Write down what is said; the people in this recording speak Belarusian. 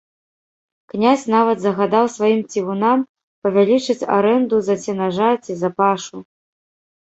Князь нават загадаў сваім цівунам павялічыць арэнду за сенажаці, за пашу.